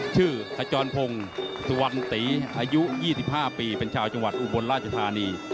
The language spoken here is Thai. ขจรพงศ์สุวรรณตีอายุ๒๕ปีเป็นชาวจังหวัดอุบลราชธานี